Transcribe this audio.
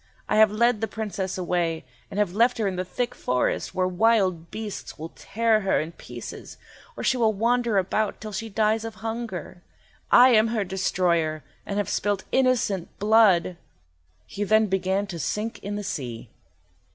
I have led the Princess away, and have left her in the thick forest, where wild beasts will tear her in pieces, or she will wander about till she dies of hunger. I am her destroyer, and have spilt innocent blood!" He then began to sink in the sea.